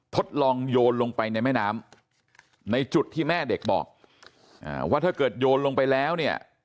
ทดลองโยนลงไปในแม่น้ำในจุดที่แม่เด็กบอกว่าถ้าเกิดโยนลงไปแล้วเนี่ย